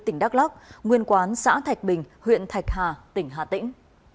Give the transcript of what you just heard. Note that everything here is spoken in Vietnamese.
tỉnh đắk lắc nguyên quán xã thạch bình huyện thạch hà tỉnh hà tĩnh